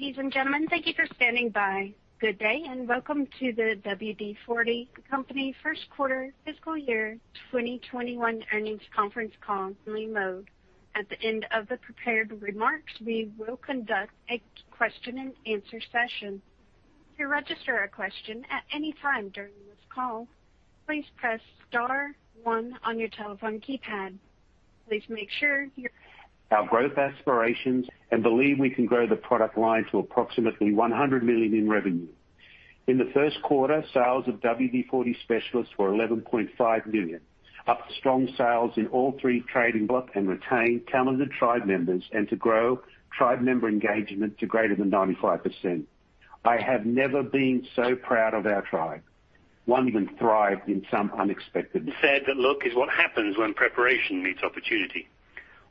Ladies and gentlemen, thank you for standing by. Good day and welcome to the WD-40 Company First Quarter Fiscal Year 2021 Earnings Conference Call. At the end of the prepared remarks, we will conduct a question and answer session. To register a question at any time during this call, please press star one on your telephone keypad. Our growth aspirations and believe we can grow the product line to approximately $100 million in revenue. In the first quarter, sales of WD-40 Specialist were $11.5 million, up strong sales in all three [inaudible] and retain talented Tribe Members and to grow Tribe Member engagement to greater than 95%. I have never been so proud of our Tribe. One can thrive in some unexpected. It's said that luck is what happens when preparation meets opportunity.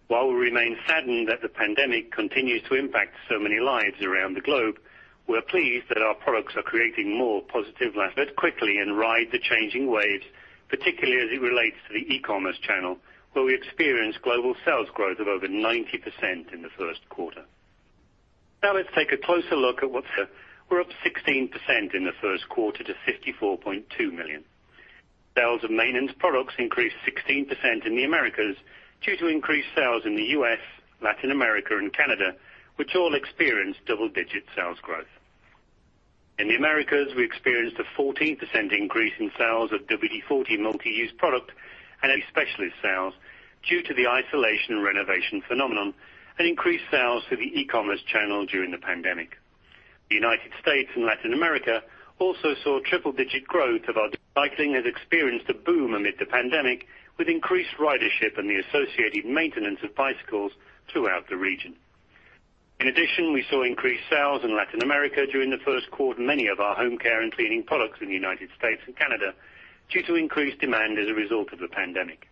While we remain saddened that the pandemic continues to impact so many lives around the globe, we're pleased that our products are creating more [inaudible] and ride the changing waves, particularly as it relates to the e-commerce channel, where we experienced global sales growth of over 90% in the first quarter. Now let's take a closer look at what's. We're up 16% in the first quarter to $54.2 million. Sales of maintenance products increased 16% in the Americas due to increased sales in the U.S., Latin America, and Canada, which all experienced double-digit sales growth. In the Americas, we experienced a 14% increase in sales of WD-40 Multi-Use Product and WD-40 Specialist sales due to the isolation and renovation phenomenon and increased sales through the e-commerce channel during the pandemic. The U.S. and Latin America also saw triple-digit growth. Bicycling has experienced a boom amid the pandemic, with increased ridership and the associated maintenance of bicycles throughout the region. We saw increased sales in Latin America during the first quarter. Many of our Harvest Brands in the U.S. and Canada, due to increased demand as a result of the pandemic.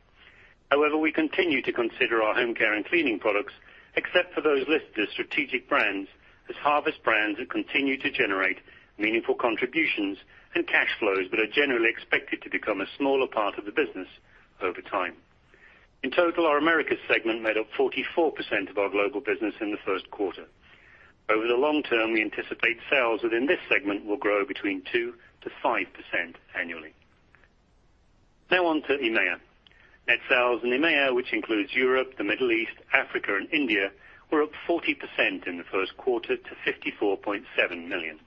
However, we continue to consider our home care and cleaning products, except for those listed as strategic brands, as Harvest Brands that continue to generate meaningful contributions and cash flows but are generally expected to become a smaller part of the business over time. In total, our Americas segment made up 44% of our global business in the first quarter. Over the long term, we anticipate sales within this segment will grow between 2%-5% annually. Now on to EMEA. Net sales in EMEA, which includes Europe, the Middle East, Africa, and India, were up 40% in the first quarter to $54.7 million.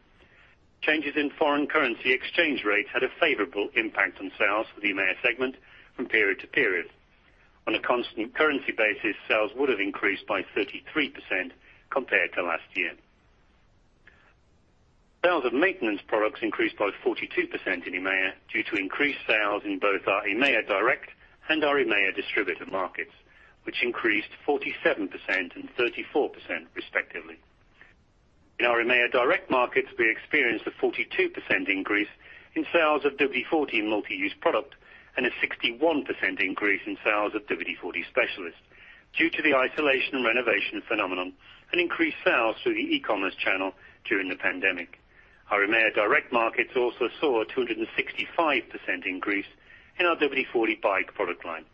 Changes in foreign currency exchange rates had a favorable impact on sales for the EMEA segment from period to period. On a constant currency basis, sales would have increased by 33% compared to last year. Sales of maintenance products increased by 42% in EMEA due to increased sales in both our EMEA direct and our EMEA distributor markets, which increased 47% and 34% respectively. In our EMEA direct markets, we experienced a 42% increase in sales of WD-40 Multi-Use Product and a 61% increase in sales of WD-40 Specialist due to the isolation and renovation phenomenon and increased sales through the e-commerce channel during the pandemic. Our EMEA direct markets also saw a 265% increase in our WD-40 Bike product line.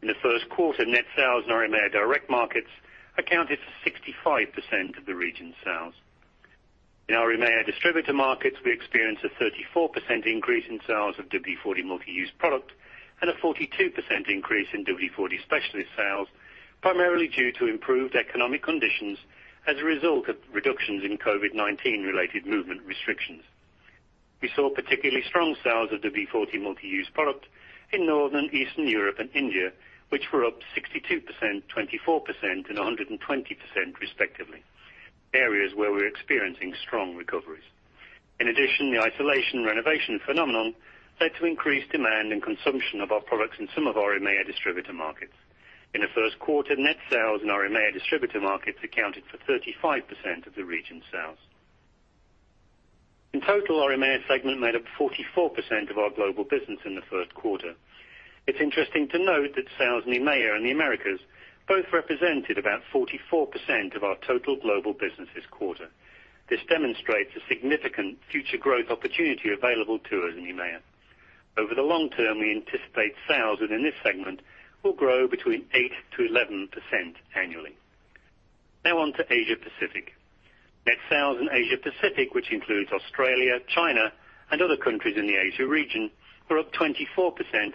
In the first quarter, net sales in our EMEA direct markets accounted for 65% of the region's sales. In our EMEA distributor markets, we experienced a 34% increase in sales of WD-40 Multi-Use Product and a 42% increase in WD-40 Specialist sales, primarily due to improved economic conditions as a result of reductions in COVID-19-related movement restrictions. We saw particularly strong sales of WD-40 Multi-Use Product in Northern, Eastern Europe, and India, which were up 62%, 24%, and 120% respectively, areas where we're experiencing strong recoveries. In addition, the isolation and renovation phenomenon led to increased demand and consumption of our products in some of our EMEA distributor markets. In the first quarter, net sales in our EMEA distributor markets accounted for 35% of the region's sales. In total, our EMEA segment made up 44% of our global business in the first quarter. It's interesting to note that sales in EMEA and the Americas both represented about 44% of our total global business this quarter. This demonstrates a significant future growth opportunity available to us in EMEA. Over the long term, we anticipate sales within this segment will grow between 8%-11% annually. Now on to Asia Pacific. Net sales in Asia Pacific, which includes Australia, China, and other countries in the Asia region, were up 24%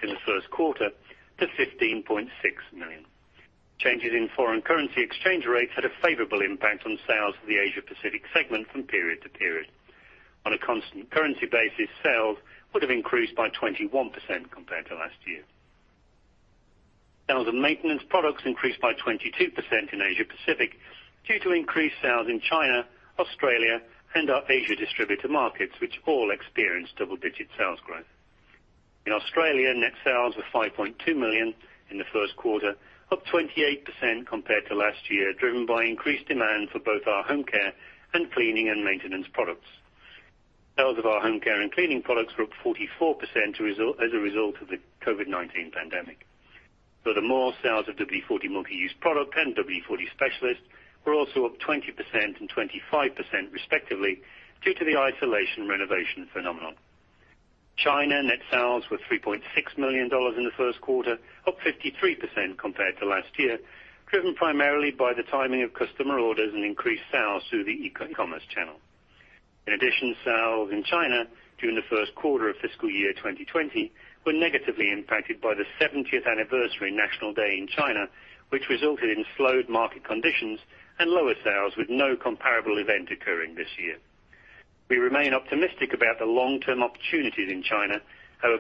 in the first quarter to $15.6 million. Changes in foreign currency exchange rates had a favorable impact on sales of the Asia Pacific segment from period to period. On a constant currency basis, sales would have increased by 21% compared to last year. Sales of maintenance products increased by 22% in Asia Pacific due to increased sales in China, Australia, and our Asia distributor markets, which all experienced double-digit sales growth. In Australia, net sales were $5.2 million in the first quarter, up 28% compared to last year, driven by increased demand for both our Harvest Brands and maintenance products. Sales of our Harvest Brands products were up 44% as a result of the COVID-19 pandemic. Sales of WD-40 Multi-Use Product and WD-40 Specialist were also up 20% and 25% respectively, due to the isolation and renovation phenomenon. China net sales were $3.6 million in the first quarter, up 53% compared to last year, driven primarily by the timing of customer orders and increased sales through the e-commerce channel. Sales in China during the first quarter of fiscal year 2020 were negatively impacted by the 70th anniversary National Day in China, which resulted in slowed market conditions and lower sales, with no comparable event occurring this year. We remain optimistic about the long-term opportunities in China.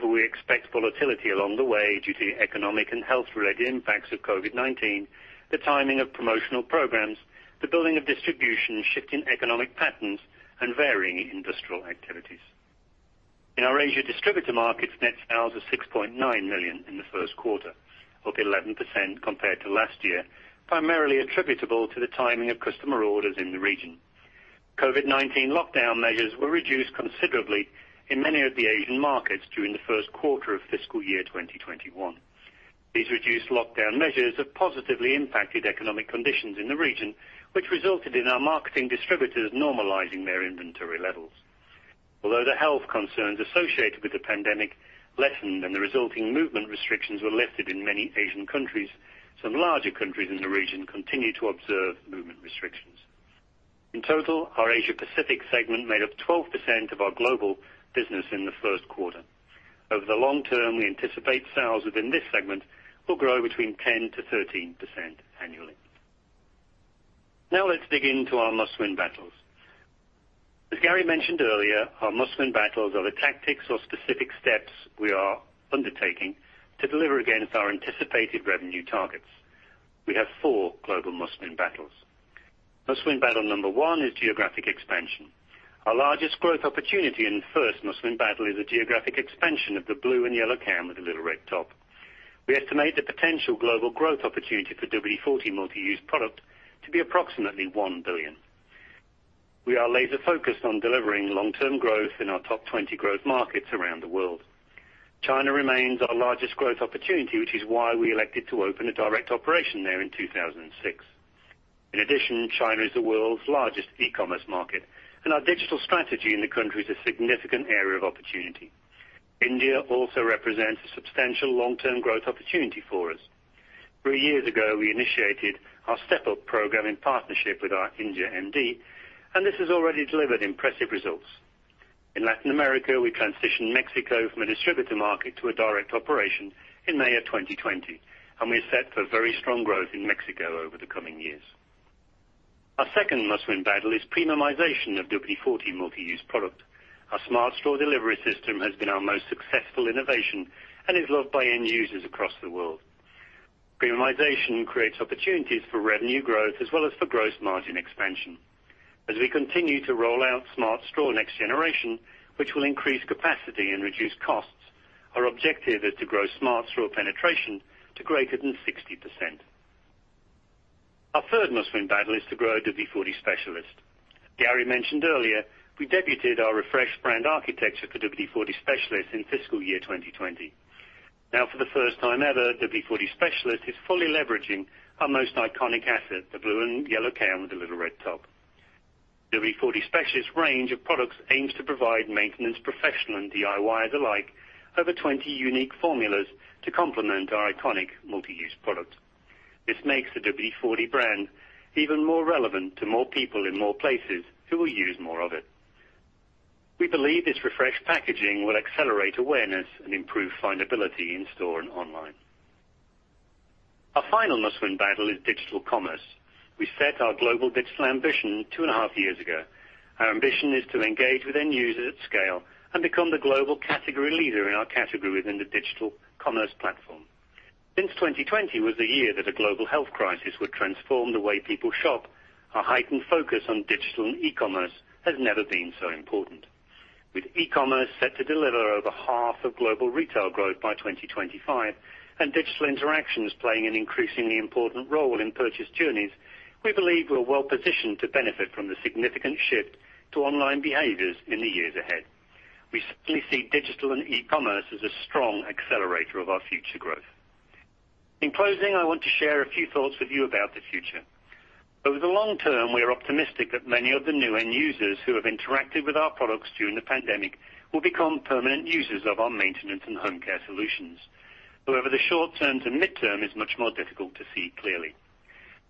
We expect volatility along the way due to economic and health-related impacts of COVID-19, the timing of promotional programs, the building of distribution, shift in economic patterns, and varying industrial activities. In our Asia distributor markets, net sales are $6.9 million in the first quarter, up 11% compared to last year, primarily attributable to the timing of customer orders in the region. COVID-19 lockdown measures were reduced considerably in many of the Asian markets during the first quarter of fiscal year 2021. These reduced lockdown measures have positively impacted economic conditions in the region, which resulted in our marketing distributors normalizing their inventory levels. Although the health concerns associated with the pandemic lessened and the resulting movement restrictions were lifted in many Asian countries, some larger countries in the region continue to observe movement restrictions. In total, our Asia Pacific segment made up 12% of our global business in the first quarter. Over the long term, we anticipate sales within this segment will grow between 10%-13% annually. Now let's dig into our Must Win Battles. As Garry mentioned earlier, our Must Win Battles are the tactics or specific steps we are undertaking to deliver against our anticipated revenue targets. We have four global Must Win Battles. Must Win Battle number one is geographic expansion. Our largest growth opportunity and first Must Win Battle is the geographic expansion of the blue and yellow can with the little red top. We estimate the potential global growth opportunity for WD-40 Multi-Use Product to be approximately $1 billion. We are laser-focused on delivering long-term growth in our top 20 growth markets around the world. China remains our largest growth opportunity, which is why we elected to open a direct operation there in 2006. In addition, China is the world's largest e-commerce market, and our digital strategy in the country is a significant area of opportunity. India also represents a substantial long-term growth opportunity for us. Three years ago, we initiated our step-up program in partnership with our India MD, and this has already delivered impressive results. In Latin America, we transitioned Mexico from a distributor market to a direct operation in May of 2020, and we are set for very strong growth in Mexico over the coming years. Our second Must Win Battle is premiumization of WD-40 Multi-Use Product. Our Smart Straw delivery system has been our most successful innovation and is loved by end users across the world. Premiumization creates opportunities for revenue growth as well as for gross margin expansion. As we continue to roll out Smart Straw next generation, which will increase capacity and reduce costs, our objective is to grow Smart Straw penetration to greater than 60%. Our third Must Win Battle is to grow WD-40 Specialist. Garry mentioned earlier we debuted our refreshed brand architecture for WD-40 Specialist in fiscal year 2020. Now, for the first time ever, WD-40 Specialist is fully leveraging our most iconic asset, the blue and yellow can with the little red top. WD-40 Specialist range of products aims to provide maintenance professional and DIYers alike over 20 unique formulas to complement our iconic Multi-Use Product. This makes the WD-40 brand even more relevant to more people in more places who will use more of it. We believe this refreshed packaging will accelerate awareness and improve findability in store and online. Our final Must Win Battle is digital commerce. We set our global digital ambition two and a half years ago. Our ambition is to engage with end users at scale and become the global category leader in our category within the digital commerce platform. Since 2020 was the year that a global health crisis would transform the way people shop, our heightened focus on digital and e-commerce has never been so important. With e-commerce set to deliver over half of global retail growth by 2025, and digital interactions playing an increasingly important role in purchase journeys, we believe we're well positioned to benefit from the significant shift to online behaviors in the years ahead. We certainly see digital and e-commerce as a strong accelerator of our future growth. In closing, I want to share a few thoughts with you about the future. Over the long term, we are optimistic that many of the new end users who have interacted with our products during the pandemic will become permanent users of our maintenance and home care solutions. The short term to mid-term is much more difficult to see clearly.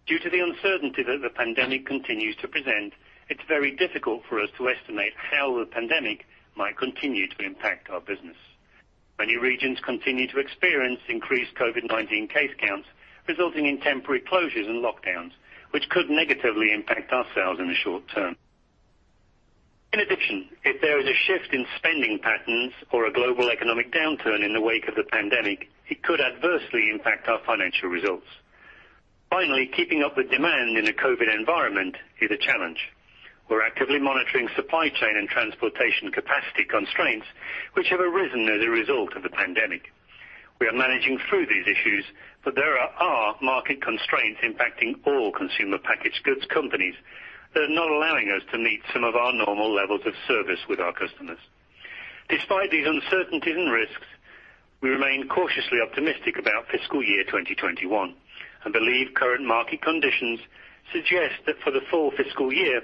Due to the uncertainty that the pandemic continues to present, it's very difficult for us to estimate how the pandemic might continue to impact our business. Many regions continue to experience increased COVID-19 case counts, resulting in temporary closures and lockdowns, which could negatively impact our sales in the short term. In addition, if there is a shift in spending patterns or a global economic downturn in the wake of the pandemic, it could adversely impact our financial results. Finally, keeping up with demand in a COVID environment is a challenge. We're actively monitoring supply chain and transportation capacity constraints, which have arisen as a result of the pandemic. We are managing through these issues, but there are market constraints impacting all consumer packaged goods companies that are not allowing us to meet some of our normal levels of service with our customers. Despite these uncertainties and risks. We remain cautiously optimistic about fiscal year 2021, and believe current market conditions suggest that for the full fiscal year,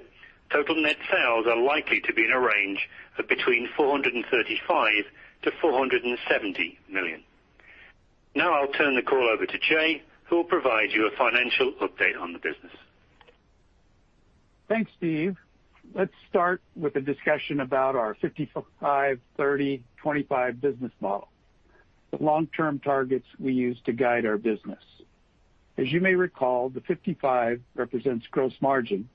total net sales are likely to be in a range of between $435 million-$470 million. Now I'll turn the call over to Jay, who will provide you a financial update on the business. Thanks, Steve. Let's start with a discussion about our 55/30/25 business model, the long-term targets we use to guide our business. As you may recall, the 55 represents gross margin,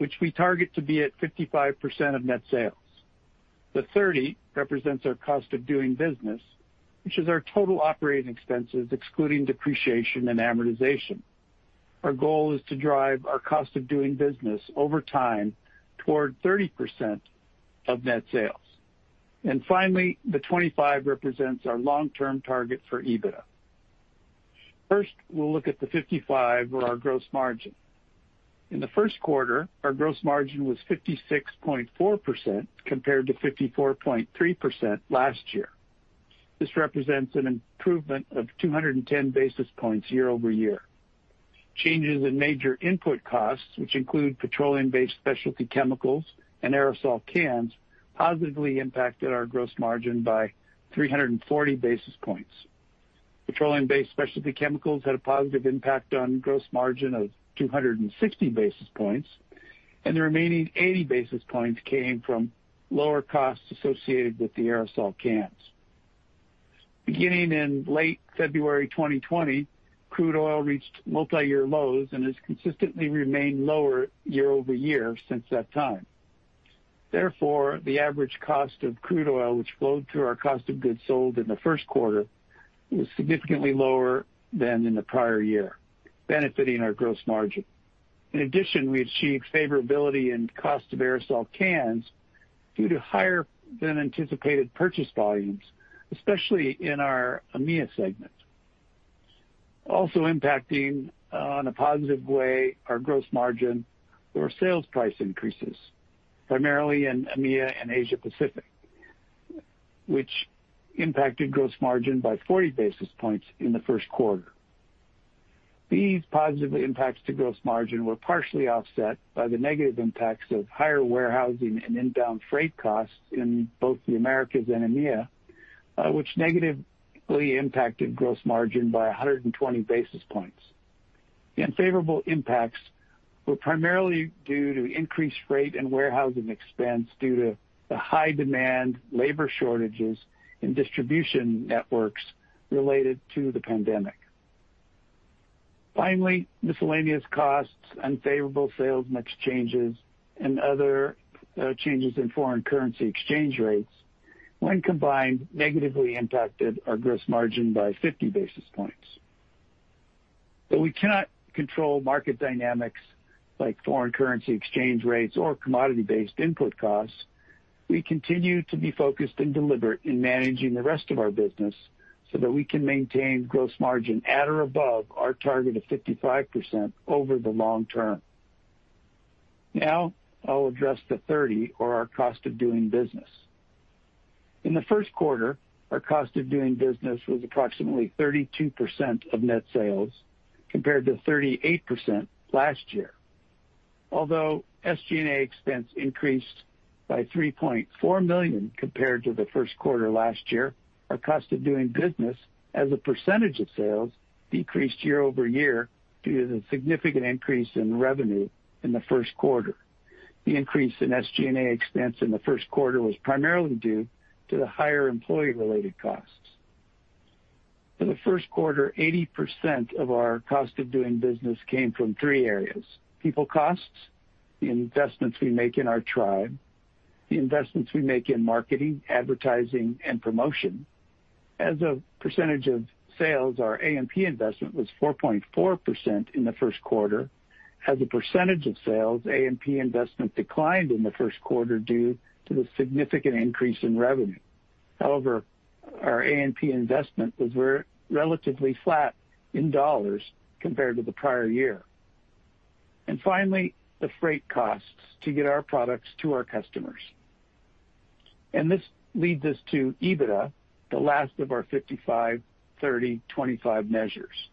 which we target to be at 55% of net sales. The 30 represents our cost of doing business, which is our total operating expenses, excluding depreciation and amortization. Our goal is to drive our cost of doing business over time toward 30% of net sales. Finally, the 25 represents our long-term target for EBITDA. First, we'll look at the 55, or our gross margin. In the first quarter, our gross margin was 56.4% compared to 54.3% last year. This represents an improvement of 210 basis points year-over-year. Changes in major input costs, which include petroleum-based specialty chemicals and aerosol cans, positively impacted our gross margin by 340 basis points. Petroleum-based specialty chemicals had a positive impact on gross margin of 260 basis points, and the remaining 80 basis points came from lower costs associated with the aerosol cans. Beginning in late February 2020, crude oil reached multi-year lows and has consistently remained lower year-over-year since that time. Therefore, the average cost of crude oil which flowed through our cost of goods sold in the first quarter was significantly lower than in the prior year, benefiting our gross margin. In addition, we achieved favorability in cost of aerosol cans due to higher than anticipated purchase volumes, especially in our EMEA segment. Also impacting on a positive way our gross margin were sales price increases, primarily in EMEA and Asia Pacific, which impacted gross margin by 40 basis points in the first quarter. These positive impacts to gross margin were partially offset by the negative impacts of higher warehousing and inbound freight costs in both the Americas and EMEA, which negatively impacted gross margin by 120 basis points. The unfavorable impacts were primarily due to increased freight and warehousing expense due to the high demand, labor shortages, and distribution networks related to the pandemic. Finally, miscellaneous costs, unfavorable sales mix changes, and other changes in foreign currency exchange rates, when combined, negatively impacted our gross margin by 50 basis points. Though we cannot control market dynamics like foreign currency exchange rates or commodity-based input costs, we continue to be focused and deliberate in managing the rest of our business so that we can maintain gross margin at or above our target of 55% over the long term. Now I'll address the 30, or our cost of doing business. In the first quarter, our cost of doing business was approximately 32% of net sales, compared to 38% last year. Although SG&A expense increased by $3.4 million compared to the first quarter last year, our cost of doing business as a percentage of sales decreased year-over-year due to the significant increase in revenue in the first quarter. The increase in SG&A expense in the first quarter was primarily due to the higher employee-related costs. For the first quarter, 80% of our cost of doing business came from three areas, people costs, the investments we make in our Tribe, the investments we make in marketing, advertising, and promotion. As a percentage of sales, our A&P investment was 4.4% in the first quarter. As a percentage of sales, A&P investment declined in the first quarter due to the significant increase in revenue. However, our A&P investment was relatively flat in dollars compared to the prior year. Finally, the freight costs to get our products to our customers. This leads us to EBITDA, the last of our 55/30/25 measures.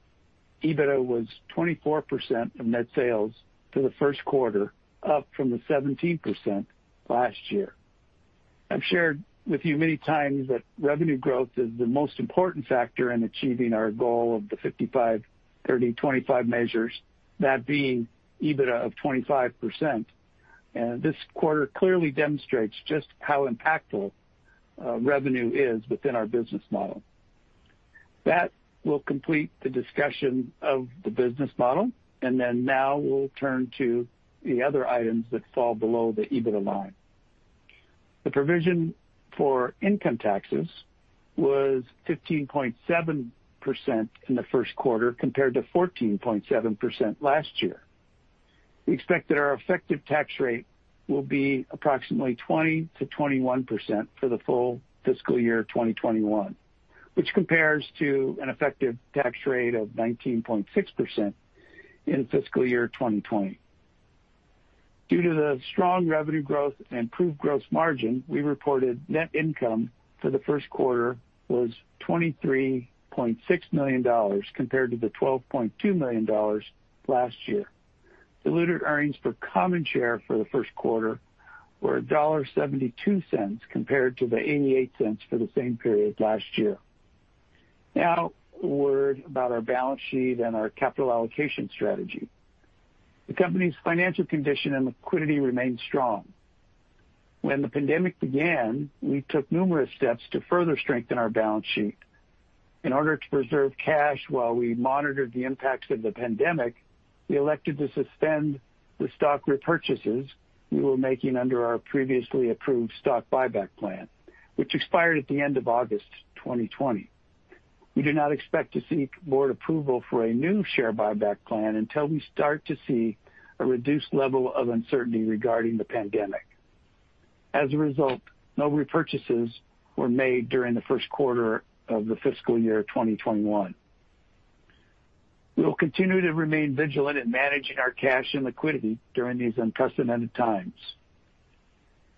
EBITDA was 24% of net sales for the first quarter, up from the 17% last year. I've shared with you many times that revenue growth is the most important factor in achieving our goal of the 55/30/25 measures, that being EBITDA of 25%, and this quarter clearly demonstrates just how impactful revenue is within our business model. That will complete the discussion of the business model, and then now we'll turn to the other items that fall below the EBITDA line. The provision for income taxes was 15.7% in the first quarter, compared to 14.7% last year. We expect that our effective tax rate will be approximately 20%-21% for the full fiscal year 2021, which compares to an effective tax rate of 19.6% in fiscal year 2020. Due to the strong revenue growth and improved gross margin, we reported net income for the first quarter was $23.6 million, compared to the $12.2 million last year. Diluted earnings per common share for the first quarter were $1.72, compared to the $0.88 for the same period last year. A word about our balance sheet and our capital allocation strategy. The company's financial condition and liquidity remain strong. When the pandemic began, we took numerous steps to further strengthen our balance sheet. In order to preserve cash while we monitored the impacts of the pandemic, we elected to suspend the stock repurchases we were making under our previously approved stock buyback plan, which expired at the end of August 2020. We do not expect to seek board approval for a new share buyback plan until we start to see a reduced level of uncertainty regarding the pandemic. As a result, no repurchases were made during the first quarter of the fiscal year 2021. We will continue to remain vigilant in managing our cash and liquidity during these unprecedented times.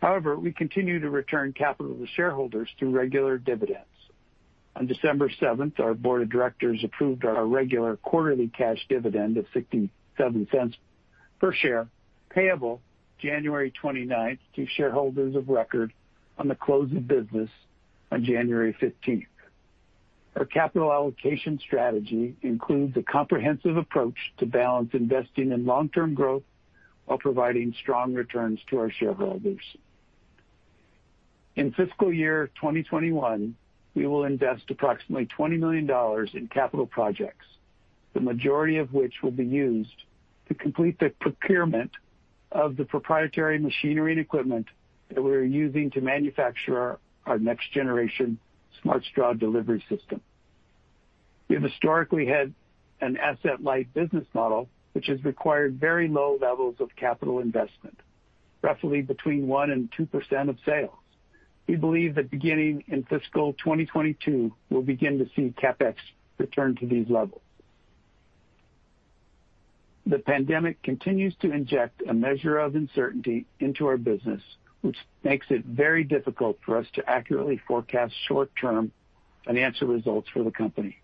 However, we continue to return capital to shareholders through regular dividends. On December 7th, our board of directors approved our regular quarterly cash dividend of $0.67 per share, payable January 29th to shareholders of record on the close of business on January 15th. Our capital allocation strategy includes a comprehensive approach to balance investing in long-term growth while providing strong returns to our shareholders. In fiscal year 2021, we will invest approximately $20 million in capital projects, the majority of which will be used to complete the procurement of the proprietary machinery and equipment that we're using to manufacture our next generation Smart Straw delivery system. We have historically had an an asset-light business model, which has required very low levels of capital investment, roughly between 1% and 2% of sales. We believe that beginning in fiscal 2022, we'll begin to see CapEx return to these levels. The pandemic continues to inject a measure of uncertainty into our business, which makes it very difficult for us to accurately forecast short-term financial results for the company.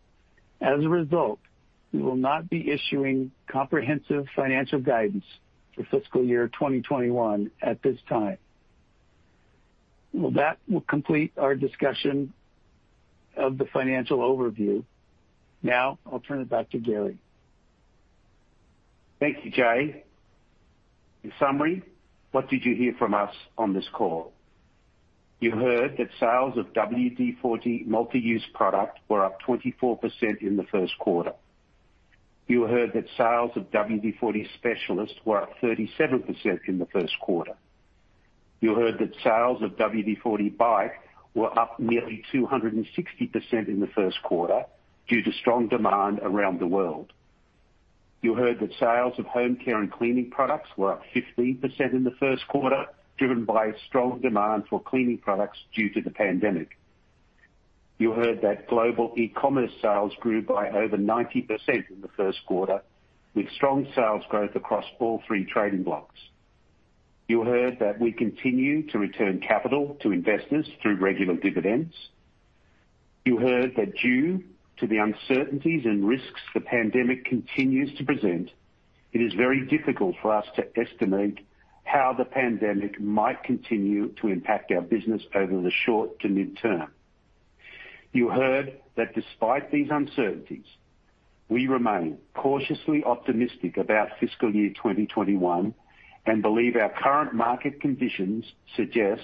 As a result, we will not be issuing comprehensive financial guidance for fiscal year 2021 at this time. Well, that will complete our discussion of the financial overview. Now, I'll turn it back to Garry. Thank you, Jay. In summary, what did you hear from us on this call? You heard that sales of WD-40 Multi-Use Product were up 24% in the first quarter. You heard that sales of WD-40 Specialist were up 37% in the first quarter. You heard that sales of WD-40 Bike were up nearly 260% in the first quarter due to strong demand around the world. You heard that sales of home care and cleaning products were up 15% in the first quarter, driven by strong demand for cleaning products due to the pandemic. You heard that global e-commerce sales grew by over 90% in the first quarter, with strong sales growth across all three trading blocks. You heard that we continue to return capital to investors through regular dividends. You heard that due to the uncertainties and risks the pandemic continues to present, it is very difficult for us to estimate how the pandemic might continue to impact our business over the short to mid-term. You heard that despite these uncertainties, we remain cautiously optimistic about fiscal year 2021 and believe our current market conditions suggest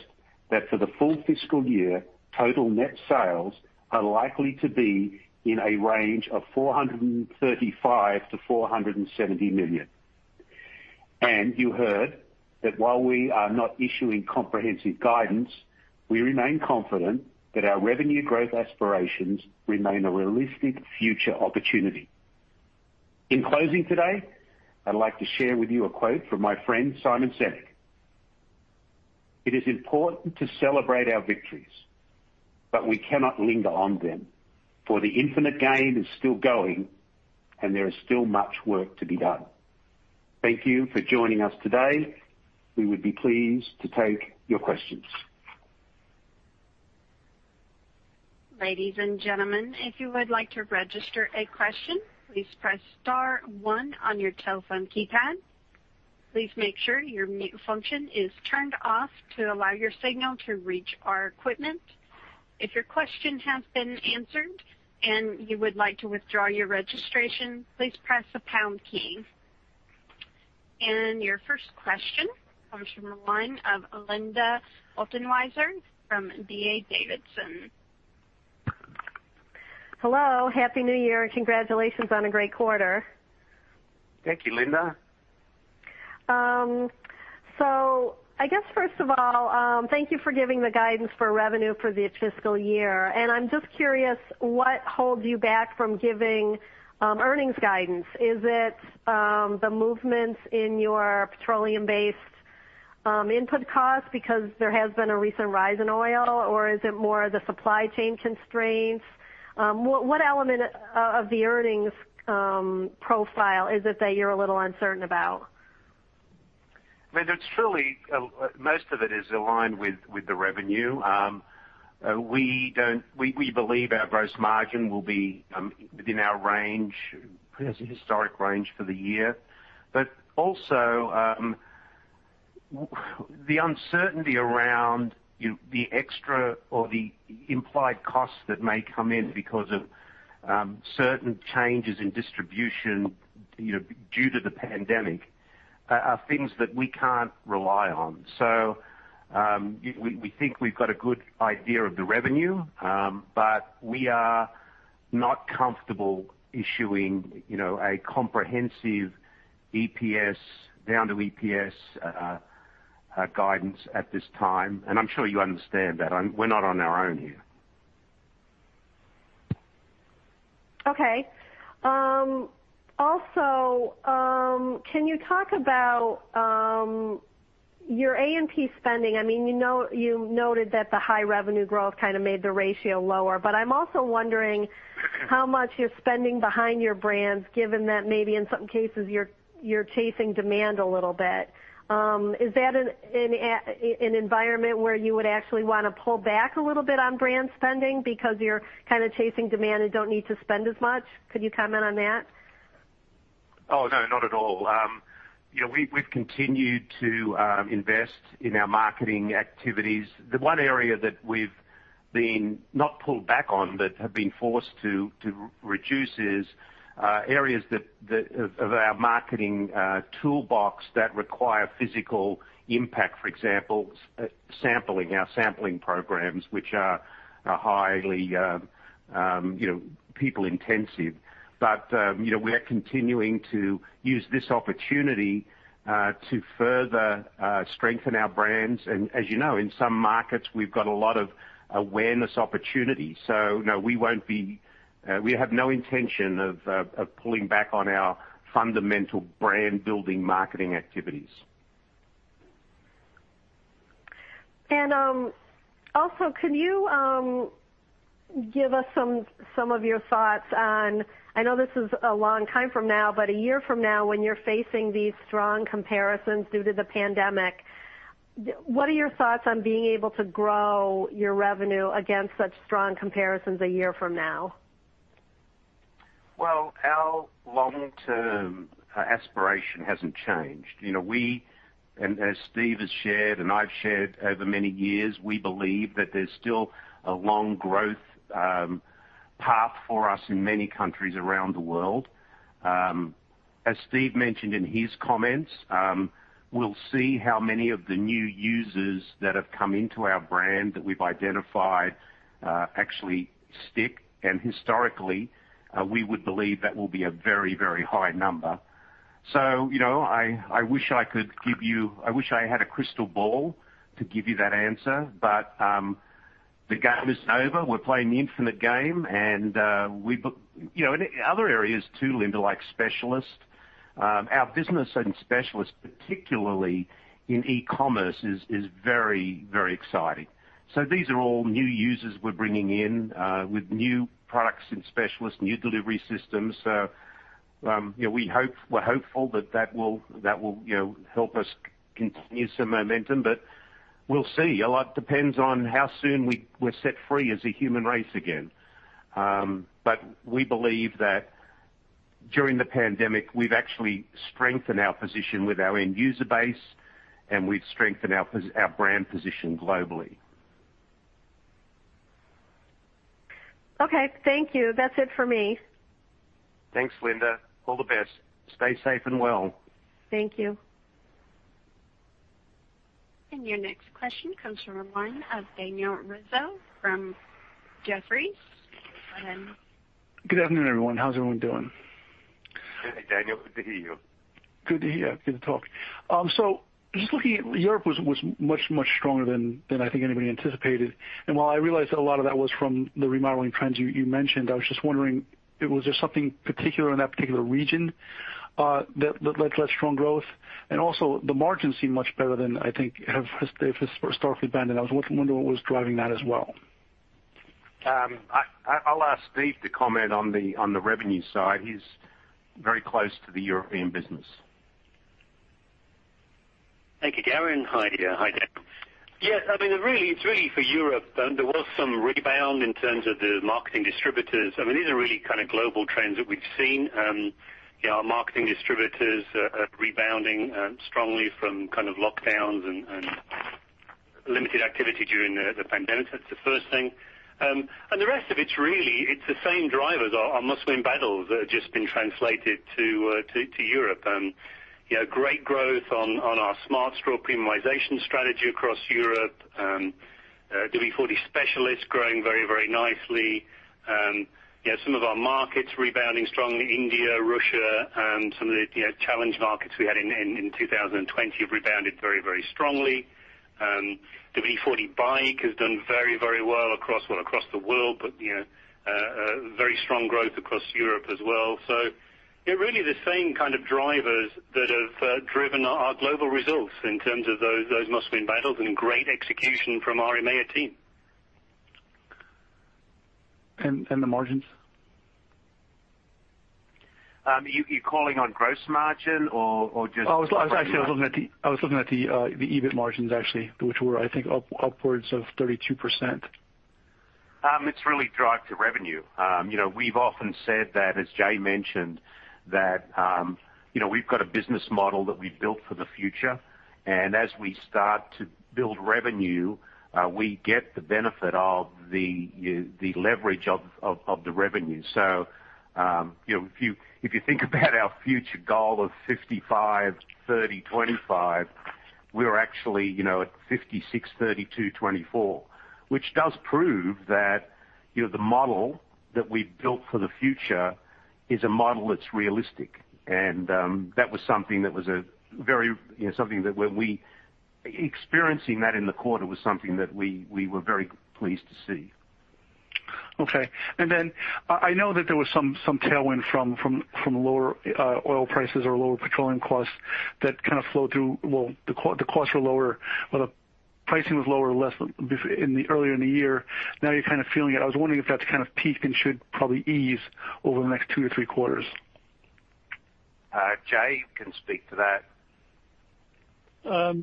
that for the full fiscal year, total net sales are likely to be in a range of $435 million-$470 million. You heard that while we are not issuing comprehensive guidance, we remain confident that our revenue growth aspirations remain a realistic future opportunity. In closing today, I'd like to share with you a quote from my friend Simon Sinek. It is important to celebrate our victories, but we cannot linger on them, for the infinite gain is still going and there is still much work to be done. Thank you for joining us today. We would be pleased to take your questions. Ladies and gentlemen, if you would like to register a question, please press star one on your telephone keypad. Please make sure your mute function is turned off to allow your signal to reach our equipment. If your questions have been answered and you would like to withdraw your registration, please press the pound key. Your first question comes from the line of Linda Bolton-Weiser from D.A. Davidson. Hello. Happy New Year. Congratulations on a great quarter. Thank you, Linda. I guess, first of all, thank you for giving the guidance for revenue for the fiscal year, and I'm just curious what holds you back from giving earnings guidance. Is it the movements in your petroleum-based input costs, because there has been a recent rise in oil, or is it more the supply chain constraints? What element of the earnings profile is it that you're a little uncertain about? I mean, most of it is aligned with the revenue. We believe our gross margin will be within our range, historic range for the year. Also, the uncertainty around the extra or the implied costs that may come in because of certain changes in distribution due to the pandemic, are things that we can't rely on. We think we've got a good idea of the revenue, but we are not comfortable issuing a comprehensive down to EPS guidance at this time. I'm sure you understand that. We're not on our own here. Okay. Can you talk about your A&P spending? You noted that the high revenue growth kind of made the ratio lower, but I'm also wondering how much you're spending behind your brands, given that maybe in some cases, you're chasing demand a little bit. Is that an environment where you would actually want to pull back a little bit on brand spending because you're kind of chasing demand and don't need to spend as much? Could you comment on that? No, not at all. We've continued to invest in our marketing activities. The one area that we've not pulled back on, but have been forced to reduce is areas of our marketing toolbox that require physical impact. For example, our sampling programs, which are highly people intensive. We're continuing to use this opportunity to further strengthen our brands. As you know, in some markets, we've got a lot of awareness opportunities. No, we have no intention of pulling back on our fundamental brand-building marketing activities. Also, can you give us some of your thoughts on, I know this is a long time from now, but a year from now, when you're facing these strong comparisons due to the pandemic, what are your thoughts on being able to grow your revenue against such strong comparisons a year from now? Our long-term aspiration hasn't changed. As Steve has shared and I've shared over many years, we believe that there's still a long growth path for us in many countries around the world. As Steve mentioned in his comments, we'll see how many of the new users that have come into our brand that we've identified actually stick. Historically, we would believe that will be a very high number. I wish I had a crystal ball to give you that answer. The game isn't over. We're playing the infinite game and in other areas too, Linda, like Specialist. Our business and Specialist, particularly in e-commerce, is very exciting. These are all new users we're bringing in, with new products in Specialist, new delivery systems. We're hopeful that that will help us continue some momentum. We'll see. A lot depends on how soon we're set free as a human race again. We believe that during the pandemic, we've actually strengthened our position with our end user base and we've strengthened our brand position globally. Okay. Thank you. That's it for me. Thanks, Linda. All the best. Stay safe and well. Thank you. Your next question comes from the line of Daniel Rizzo from Jefferies. Go ahead. Good afternoon, everyone. How's everyone doing? Hey, Daniel, good to hear you. Good to hear you. Good to talk. I was just looking at Europe was much, much stronger than I think anybody anticipated. While I realize that a lot of that was from the remodeling trends you mentioned, I was just wondering, was there something particular in that particular region that led to that strong growth? Also, the margins seem much better than I think have historically been, and I was wondering what was driving that as well. I'll ask Steve to comment on the revenue side. He's very close to the European business. Thank you, Garry, and hi, Daniel. Yeah, it's really for Europe, there was some rebound in terms of the marketing distributors. These are really kind of global trends that we've seen. Our marketing distributors are rebounding strongly from lockdowns and limited activity during the pandemic. That's the first thing. The rest of it's really the same drivers, our Must Win Battles that have just been translated to Europe. Great growth on our Smart Straw premiumization strategy across Europe. WD-40 Specialist growing very nicely. Some of our markets rebounding strongly, India, Russia, some of the challenge markets we had in 2020 have rebounded very strongly. The WD-40 Bike has done very well across the world, but very strong growth across Europe as well. Really the same kind of drivers that have driven our global results in terms of those Must Win Battles and great execution from our EMEA team. The margins? You're calling on gross margin or just? I was looking at the EBIT margins, actually, which were, I think, upwards of 32%. It's really drive to revenue. We've often said that, as Jay mentioned, that we've got a business model that we built for the future. As we start to build revenue, we get the benefit of the leverage of the revenue. If you think about our future goal of 55%, 30%, 25%, we're actually at 56%, 32%, 24%, which does prove that the model that we've built for the future is a model that's realistic. That was something that experiencing that in the quarter was something that we were very pleased to see. Okay. I know that there was some tailwind from lower oil prices or lower petroleum costs. Well, the costs were lower or the pricing was lower earlier in the year. Now you're kind of feeling it. I was wondering if that's kind of peaked and should probably ease over the next two or three quarters. Jay can speak to that.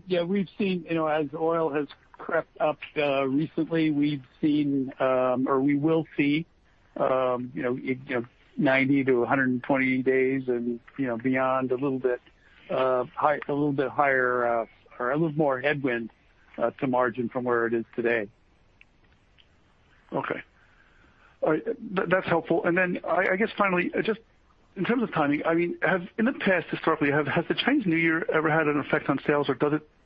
Yeah, we've seen as oil has crept up recently, we've seen or we will see 90-120 days and beyond a little bit higher or a little more headwind to margin from where it is today. Okay. All right. That's helpful. I guess finally, just in terms of timing, in the past, historically, has the Chinese New Year ever had an effect on sales, or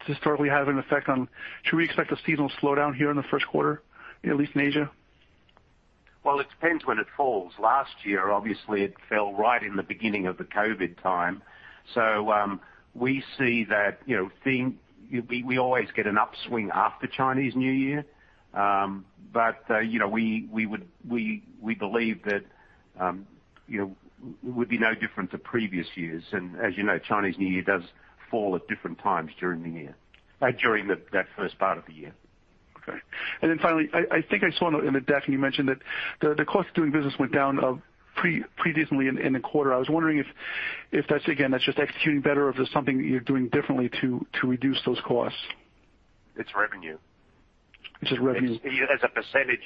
should we expect a seasonal slowdown here in the first quarter, at least in Asia? Well, it depends when it falls. Last year, obviously, it fell right in the beginning of the COVID time. We see that theme. We always get an upswing after Chinese New Year. We believe that it would be no different to previous years. As you know, Chinese New Year does fall at different times during the year, during that first part of the year. Okay. Finally, I think I saw in the deck, and you mentioned that the cost of doing business went down previously in the quarter. I was wondering if that's just executing better or if there's something that you're doing differently to reduce those costs. It's revenue. Just revenue. As a percentage.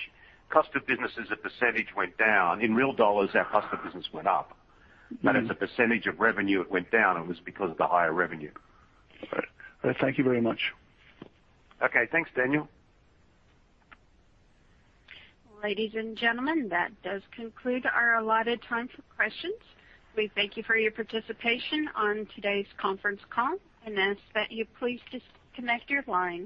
Cost of business as a percentage went down. In real dollars, our cost of business went up. As a percentage of revenue, it went down, and it was because of the higher revenue. All right. Thank you very much. Okay. Thanks, Daniel. Ladies and gentlemen, that does conclude our allotted time for questions. We thank you for your participation on today's conference call and ask that you please disconnect your lines.